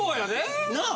なあ。